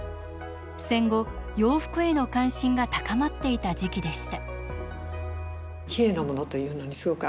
戦後洋服への関心が高まっていた時期でした。